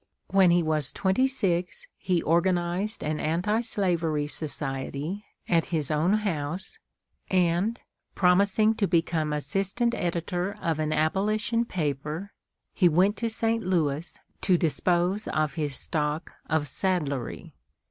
When he was twenty six he organized an Anti slavery Society at his own house, and, promising to become assistant editor of an abolition paper, he went to St. Louis to dispose of his stock of saddlery.